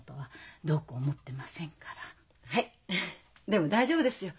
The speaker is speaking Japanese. でも大丈夫ですよ。